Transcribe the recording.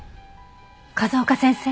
風丘先生？